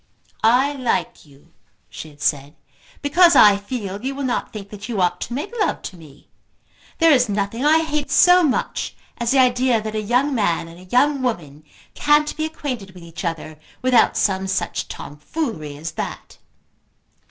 "I like you," she had said, "because I feel that you will not think that you ought to make love to me. There is nothing I hate so much as the idea that a young man and a young woman can't be acquainted with each other without some such tomfoolery as that."